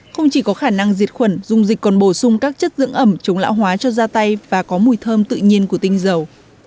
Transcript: không chỉ có khả năng diệt khuẩn dung dịch còn bổ sung các chất dưỡng ẩm chống lão hóa cho da tay và có mùi thơm tự nhiên của tinh dầu